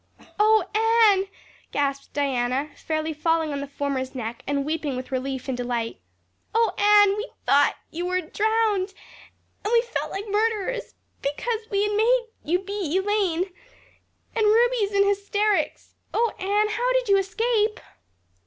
"Oh, Anne," gasped Diana, fairly falling on the former's neck and weeping with relief and delight, "oh, Anne we thought you were drowned and we felt like murderers because we had made you be Elaine. And Ruby is in hysterics oh, Anne, how did you escape?"